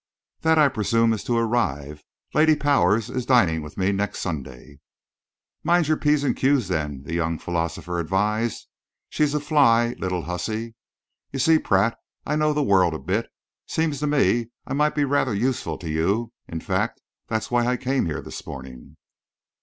"That, I presume, is to arrive. Lady Powers is dining with me next Sunday." "Mind your P's and Q's, then," the young philosopher advised. "She's a fly little hussy. You see, Pratt, I know the world a bit. Seems to me I might be rather useful to you in fact that's why I came here this morning."